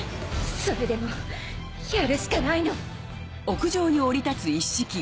それでもやるしかないの！